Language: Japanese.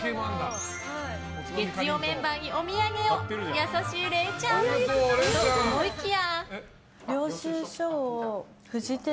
月曜メンバーにお土産を優しいれいちゃんと思いきや。